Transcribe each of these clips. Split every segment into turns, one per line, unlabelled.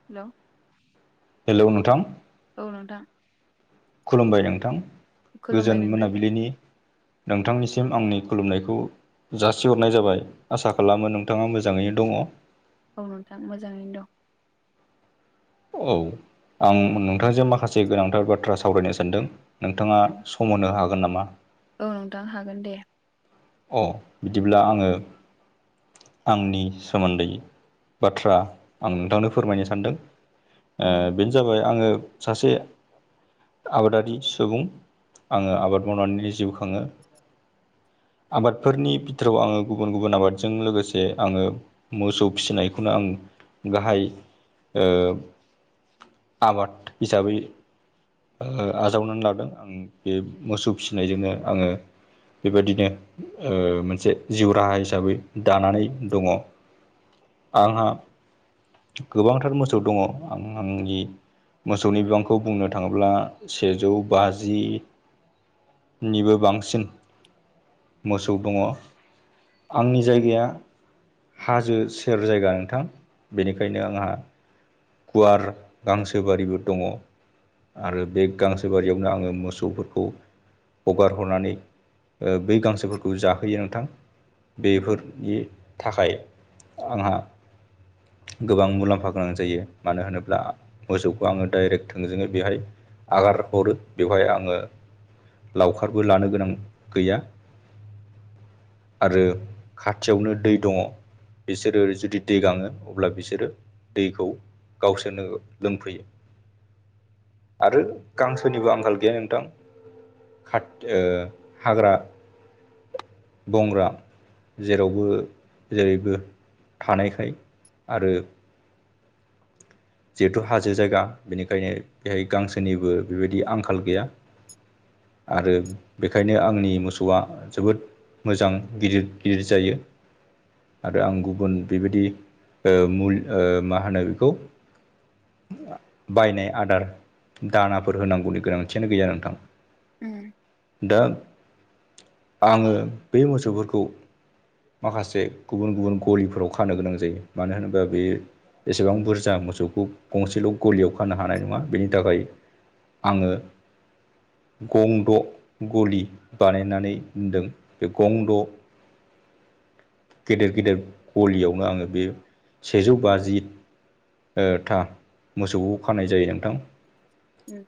Hello
hello नोंथां।
औ नोंथां।
खुलुमबाय नोंथां
खुलुमबाय
गोजोन
नोंथां
मोनाबिलिनि नोंथांनिसिम आंनि खुलुमनायखौ जासिहरनाय जाबाय आसा खालामो नोंथाङा मोजाङैनो दङ।
औ नोंथां मोजाङैनो दं।
औ आं नोंथांजों माखासे गोनांथार बाथ्रा सावरायनो सानदों नोंथाङा
दं
स सम होनो हागोन नामा?
औ नोंथां हागोन दे।
अ बिदिब्ला आङो आंनि सोमोन्दै बाथ्रा आं नोंथांनो फोरमायनो सानदों।
औ
ओ बेनो जाबाय आङो सासे आबादारि सुबुं आङो आबाद मावनानै जिउ खाङो। आबादफोरनि बिथोराव आङो गुबुन गुबुन आबादजों लोगोसे आङो मोसौ फिसिनायखौनो आं गाहाय ओ आबाद हिसाबै ओ आजावनानै लादों आं बे मोसौ फिसिनायजोंनो आङो बेबायदिनो ओ मोनसे जिउ राहा हिसाबै दानानै दङ। आंहा गोबांथार मोसौ दङ आं आंनि मोसौनि बिबांखौ बुंनो थाङोब्ला सेजौ बाजि निबो बांसिन मोसौ दङ आंनि जायगाया हाजो सेर जायगा नोंथां बेनिखायनो आंहा गुवार गांसो बारिबो दङ। आरो बे गांसो बारियावनो आङो मोसौफोरखौ हगार हरनानै ओ बै गांसोफोरखौ जाहोयो नोंथां। बेफोरनि थाखाय आंहा गोबां मुलाम्फा गोनां जायो। मानो होनोब्ला मोसौखौ आङो डाइरेक्ट थोंजोङै बेहाय आगार हरो बेवहाय आङो लावखारबो लानो गोनां गैया। आरो खाथियावनो दै दङ। बिसोरो जुदि दै गाङो अब्ला बिसोरो दैखौ गावसोरनो लोंफैयो। आरो गांसोनिबो आंखाल गैया नोंथां। खा-ओ हाग्रा बंग्रा जेरावबो जेरैबो थानायखाय आरो जिहेथु हाजो जायगा बेनिखायनो बेहाय गांसोनिबो बेबायदि आंखाल गैया। आरो बेखायनो आंनि मोसौआ जोबोद मोजां गिदिर गिदिर जायो। आरो आं गुबुन बेबायदि ओ मुल ओ मा होनो बेखौ बायनाय आदार दानाफोर होनांगौनि गोनांथियानो गैया नोंथां
उम
दा आङो बे मोसौफोरखौ माखासे गुबुन-गुबुन गलिफोराव खानो गोनां जायो। मानो होनोबा बे एसेबां बुरजा मोसौ गंसेल' गलियाव खानो हानाय नङा बेनि थाखाय आङो गंद' गलि बानायनानै दोनदों बे गंद' गेदेर-गेदेर गलियावनो आङो बे सेजौ बाजि था मोसौखौ खानाय जायो नोंथां।
उम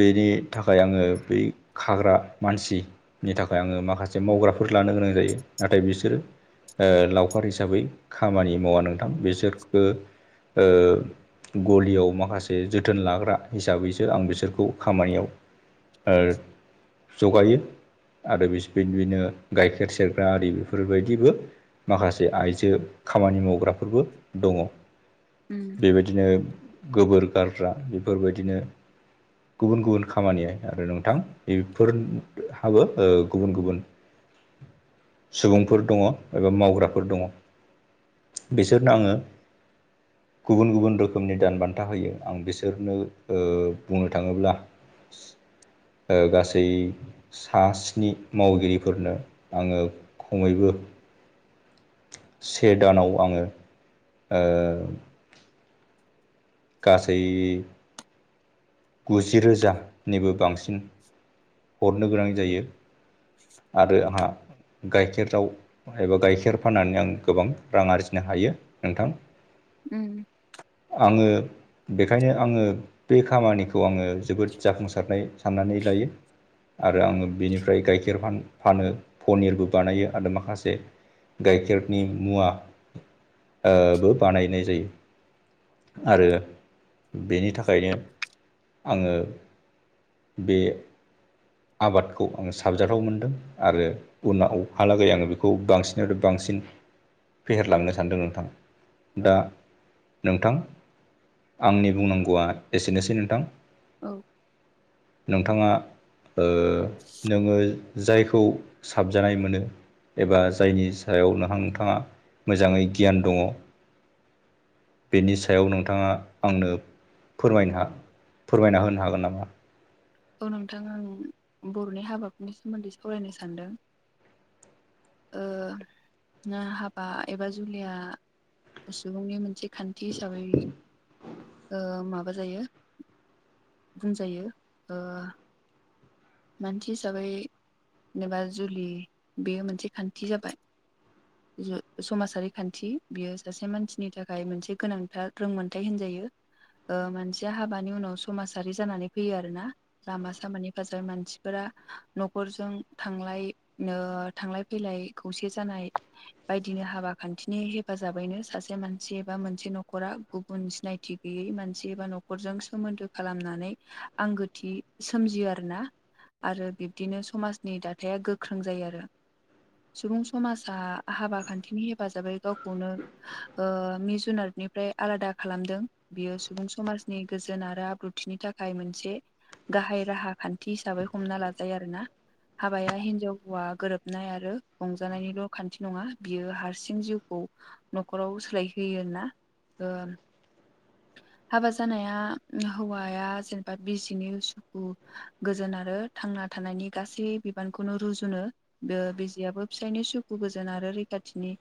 बेनि थाखाय आङो बै खाग्रा मानसि नि थाखाय आङो माखासे मावग्राफोर लानो गोनां जायो। नाथाय बिसोरो ओ लावखार हिसाबै खामानि मावा नोंथां बिसोरबो ओ गलियाव माखासे जोथोन लाग्रा हिसाबैसो आं बिसोरखौ खामानियाव जगायो आरो बिदिनो गाइखेर सेरग्रा आरि बेफोरबायदिबो माखासे आइजो खामानि मावग्राफोरबो दङ।
उम
बेबायदिनो गोबोर गारग्रा बेफोरबायदिनो गुबुन-गुबुन खामानिय आरो नोंथां बेफोरहाबो गुबुन- गुबुन [inaudible] सुबुंफोर दङ एबा मावग्राफोर दङ बिसोरनो आङो गुबुन-गुबुन रोखोमनि दान बान्था होयो आं बिसोरनो बुंनो थाङोब्ला गासै सा स्नि मावगिरिफोरनो आङो खमैबो से दानाव आङो ओ गासै गुजि रोजानिबो बांसिन
[inaudible]
हरनो गोनां जायो आरो आंहा गाइखेराव एबा गाइखेर फाननानै आं गोबां रां आरजिनो हायो नोंथां।
उम
आङो बेखायनो आङो बे खामानिखौ आङो जोबोद जाफुंसारनाय साननानै लायो। आरो आङो बेनिफ्राय गाइखेर फानो पनिरबो बानायो आरो माखासे गाइखेरनि मुवा बो बानायनाय जायो। आरो बेनि थाखायनो आङो बे आबादखौ आङो साबजाथाव मोनदों आरो उनहालागै आङो बेखौ बांसिन बांसिन फेहेरलांनो सानदों नोंथाङा! दा
औ
नोंथां आंनि बुंनांगौआ एसेनोसै नोंथां।
औ
नोंथाङा ओ नोङो जायखौ साबजानाय मोनो एबा जायनि सायाव नोंथाङा मोजाङै गियान दङ बेनि सायाव नोंथाङा आंनो फोरायनो फोरमायना होनो हागोन नामा?
औ नोंथां आं बर'नि हाबाफोरनि सोमोन्दै सावरायनो सानदों हाबा एबा जुलिया सुबुंनि मोनसे खान्थि हिसाबै माबा जायो। बुंजायो ओ मानसि हिसाबै जेनेबा जुलि बेयो मोनसे खान्थि जाबाय।
[inaudible]
जो समाजारि खान्थि बियो सासे मानसिनि थाखाय मोनसे गोनांथार रोंमोनथायाइ होनजायो। ओ मानसिया हाबानि उनाव समाजारि जानानै फैयो आरो ना। लामा सामानि फासे मान सिफोरा न'खरजों थांलाय नो थांलाय फैलाय खौसे जानाय बायदिनि हाबा खान्थिनि हेफाजाबैनो सासे मानसि एबा मोनसे न'खरा गुबुन सिनायथि गैयै मानसि एबा न'खरजों सोमोन्दो खालामनानै आंगोथि सोमजियो आरो ना। आरो बिब्दिनो समाजनि दाथाया गोख्रों जायो आरो। सुबुं समाजा हाबा खान्थिनि हेफाजाबै गावखौनो। ओ मि जुनारनिफ्राय आलादा खालामदों। बियो सुबुं समाजनि गोजोन आरो आब्रुथिनि थाखाय मोनसे गाहाय राहा खान थि हिसाबै हमना लाजायो आरो ना। हाबाया हिनजाव हौवा गोरोबनाय आरो रंजानायनिल' खान्थि नङा बियो हारसिं जिउखौ न'खराव सोलायहोयो होनना ओ हाबा जानाया हौवाया जेनेबा बिजिनि उसुखु गोजोन आरो थांना थानायनि गासै बिबानखौनो रुजुनो। ओ बिजियाबबो फिसायनि सुखु गोजोन आरो रैखाथिनि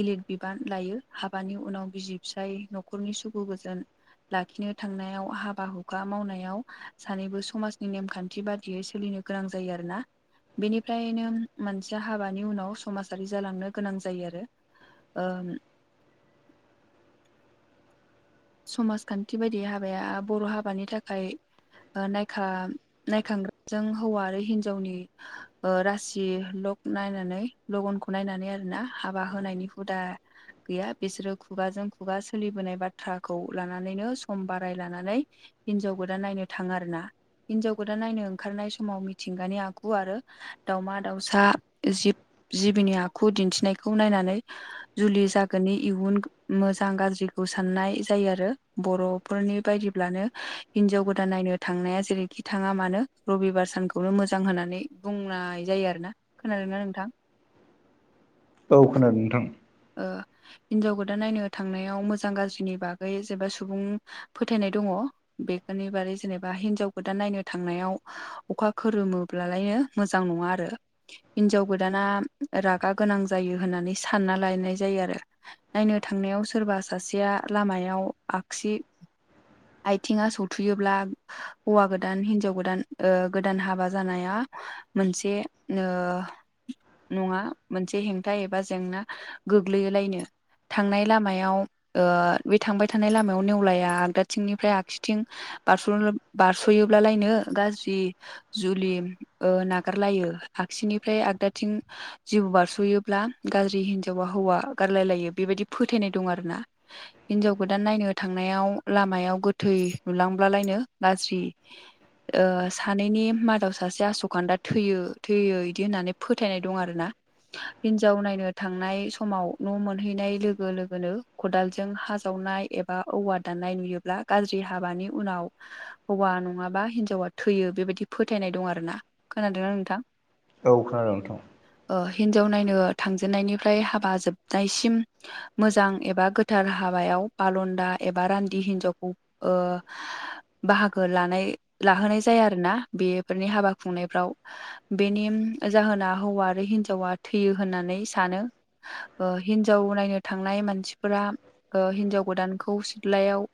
गिलिर बिबान लायो हाबानि उनाव बिसि फिसाय न'खरनि सुखु गोजोन लाखिनो थांनायाव हाबा हुखा मावनायाव सानैबो समाजनि नेम खान्थि बादियै सोलिनो गोनां जायो आरोना। बेनिफ्रायनो मोनसिया हाबानि उनाव समाजारि जालांनो गोनां जायो आरो। ओम समाजखान्थि बायदि हाबाया बर' हाबानि थाखाय नायखा नायखांग्राजों हौवा आरो हिन्जावनि ओ रासि लक नायनानै लगनखौ नायनानै आर ना हाबा होनायनि हुदा गैया बिसोरो खुगाजों खुगा सोलिबोनाय बा थ्राखौ लानानैनो सम बाराय लानानै हिनजाव गोदान नायनो थाङो आरो ना। हिनजाव गोदान नायनो ओंखारनाय समाव मिथिंगानि आखु आरो दाउमा दाउसा जिब जिबिनि आखु दिन्थिनायखौ नायनानै जुलि जागोननि इयुन मोजां गाज्रिखौ साननाय जायो आरो बर'फोरनि बायदिब्लानो हिनजाव गोदान नायनो थांनाया जेरै खिथाङा मानो रबिबार सानखौनो मोजां होननानै बुंनाय जायो आरोना। खोनादोंना नोंथां?
औ खोनादों नोंथां।
हिनजाव गोदान नायनो थांनायाव मोजां गाज्रिनि बागै जेबा सुबुं फोथायनाय दङ। बेफोरनि बारै जेनेबा हिनजाव गोदान नायनो थांनायाव अखा खोरोमोबलायनो मोजां नङा आरो हिनजाव गोदाना रागा गोनां जायो होननानै सानना ला नाय जायो आरो। नायनो थांनायाव सोरबा सासेया लामायाव आगसि
[inaudible]
आथिंङा सौथुयोब्ला हौवा गोदान हिन्जाव गोदान ओ गोदान हाबा जानाया मोनसे ओ नङा मोनसे हेंथा एबा जेंना गोग्लैयोलायनो। थांनाय लामायाव ओ बे थांबाय थानाय लामायाव नेवलाया आगदाथिंनिफ्राय आगसिथिं बारस' बारस'योब्लालायनो गाज्रि जुलि ओ नागारलायो। आगसिनिफ्राय आगदाथिं जिबौ बारस'योब्ला गाज्रि हिनजावा हौवा गारलाय लायो बेबायदि फोथायनाय दं आरो ना। हिनजाव गोदान नायनो थांनायाव लामायाव गोथै नुलांब्लालायनो गाज्रि। ओ सानैनि मादाव सासे आस'खान्दा थैयो, थैयो बिदि होननानै फोथायनाय दं आरो ना। हिनजाव नायनो था थांनाय समाव न' मोनहैनाय लोगो लोगोनो खदालजों हा जावनाय एबा औवा दाननाय नुयो ब्ला गाज्रि हाबानि उनाव हौवा नङाबा हिनजावा थैयो बेबायदि फोथायनाय दं आरो ना खोनादोंना नोंथां?
औ खोनादों नोंथां।
ओ हिन्जाव नायनो थांजेननायनिफ्राय हाबा जोबनायसिम मोजां एबा गोथार हाबायाव बालन्दा एबा रान्दि हिन्जावखौ ओ बाहागो लानाय लाहोनाय जाया आरोना बेफोरनि हाबा खुंनायफ्राव। बेनि जाहोना हौवा आरो हिनजावा थैयो होननानै सानो। ओ हिन्जाव नायनो थांनाय मानसिफोरा ओ हिन्जाव गोदानखौ सिथ्लायाव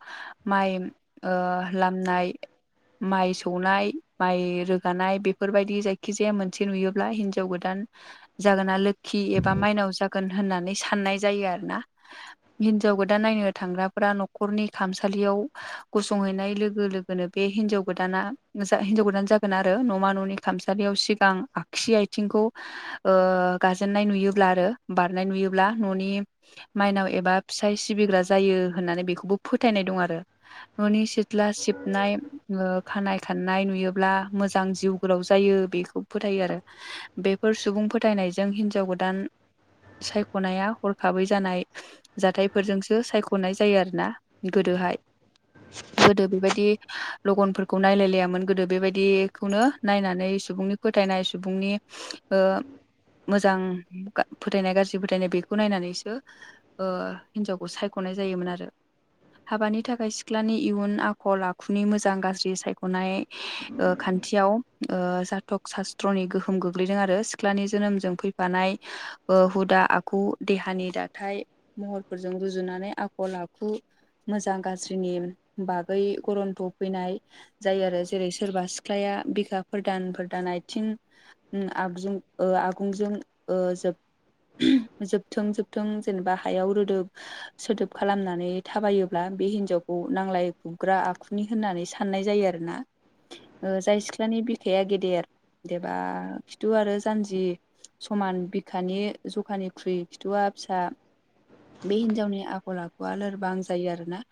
माइ ओ लामनाय माइ सौनाय माइ रोगानाय बेफोरबायदि जायखिजाया मोनसे नुयोब्ला हिन्जाव गोदान जागोना लोखि एबा माइनाव जागोन होननानै साननाय जायो आरो ना। हिनजाव गोदान नायनो थांग्राफोरा न'खरनि खामसालियाव गसंहैनाय लोगो लोगोनो बे हिनजाव गोदाना हिनजाव गोदान जागोन आरो न'मा न'नि खामसालियाव सिगां आगसि आथिंखौ ओ गाजेननाय नुयोब्ला आरो बारनाय नुयोब्ला न'नि माइनाव एबा फिसाय सिबिग्रा जायो होननानै बेखौबो फोथायनाय दं आरो। न'नि सिथ्ला सिबनाय ओ खानाय खाननाय नुयोब्ला मोजां जिउ गोलाव जायो बेख खौ फोथायो आरो बेफोर सुबुं फोथायनायजों हिनजाव गोदान सायख'नाया हरखाबै जानाय जाथायफोरजोंसो सायख'नाय जायो आरो ना गोदोहाय। गोदो बेबायदि लगनफोरखौ नायलायलायामोन गोदो बेबायदिखौनो नायनानै सुबुंनि फोथायनाय सुबुंनि ओ मोजां फोथायनाय गाज्रि फोथायनाय बेखौ नायनानैसो ओ हिनजावखौ सायख'नाय जायोमोन आरो। हाबानि थाखाय सिख्लानि इयुन आखल आखुनि मोजां गाज्रि सायख'नाय ओ खान्थियाव ओ जाथक सास्त्रनि गोहोम गोग्लैदों आरो सिख्लानि जोनोमजों फै बानाय ओ हुदा आखु देहानि दााथाय महरफोरजों रुजुनानै आखल आखु मोजां गाज्रिनि बागै गरन्थ फैनाय जायो आरो जेरै सोरबा सिख्लाया बिखा फोरदान फोरदान आयथिं उम आगजुं ओ आगुंजों ओ जोब जोबथों जोबथों जेनेबा हायाव रोदोब सोदोब खालामनानै थाबायोब्ला बे हिनजावखौ नांलाय खुबग्रा आखुनि होननानै साननाय जायो आरोना। जाय सिख्लानि बिखाया गेदेर एबा खिथु आरो जानजि समान बिखानि जखानिख्रुइ खिथु'वा फिसा बे हिनजावनि आखल आखुआ लोरबां जायो आरोना।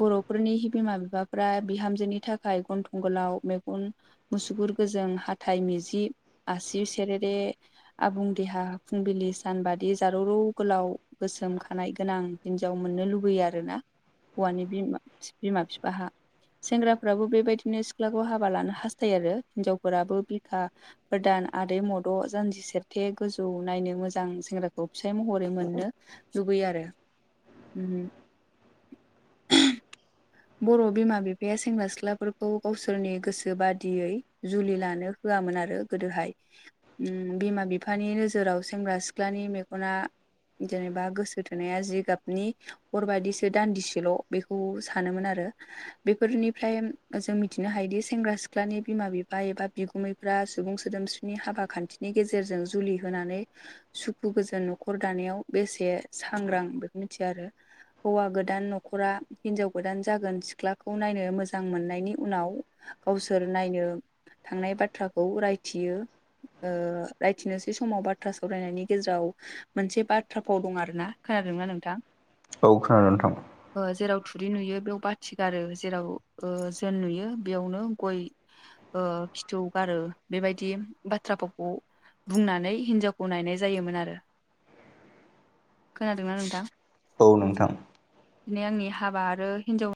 बर'फोरनि बिमा बिफाफ्रा बिहामजोनि थाखाय गन थंगालाव मेगन मुसुगुर गोजों हाथाय मिजि आसि सेरेरे आबुं देहा फुंबिलि सान बादि जारौ रौ गोलाव गोसोम खानाय गोनां हिन्जाव मोननो लुबैयो आरोना। हौवानि बिमा बिमा फिफाहा। सेंग्राफ्राबो बेबायदिनो सिख्लाखौ हाबा लानो हास्थायो आरो हिनजावफोराबो बिखा फोरदान आदै मद' जानजि सेरथे गोजौ नायनो मोजां सेंग्राखौ फिसाइ महरै मोननो लुबैयो आरो। बर' बिमा बिफाया सेंग्रा सिख्लाफोरखौ गावसोरनि गोसो बादियै जुलि लानो होआमोन आरो गोदोहाय। ओम बिमा बिफानि नोजोराव सेंग्रा सिख्लानि मेगना जेनेबा गोसो थोनाया जिगाबनि अर बादिसो दान्दिसेल' बेखौ सानोमोन आरो। बेफोरनिफ्राय जों मिथिनो हायोदि सेंग्रा सिख्लानि बिमा बिफा एबा बिगुमै फ्रा सुबुं सोदोमस्रिनि हाबा खान्थिनि गेजेरजों जुलि होनानै सुखु गोजोन न'खर दानायाव बेसे सांग्रां बेखौ मिथिया आरो। हौवा गोदान न'खरा हिनजाव गोदान जागोन सिख्लाखौ नायनो मोजां मोननायनि उनाव गावसोर नायनो थांनाय बाथ्राखौ रायथियो। ओ रायथिनोसै समाव बाथ्रा सावरायनायनि गेजेराव मोनसे बाथ्रा फाव दं आरोना। खोनादों ना नोंथां?
औ खोनादों नोंथां।
जेराव थु रि नुयो बेयाव बाथि गारो जेराव ओ जोन नुयो बेयावनो गय ओ फिथु गारो बेबायदि बाथ्राफोरखौ बुंनानै हिनजावखौ नायनाय जायोमोन आरो। खोनादोंना नोंथां?
औ
उम
नोंथां
दिनै आंनि हाबा आरो हिनजाव